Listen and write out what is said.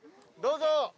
どうぞ。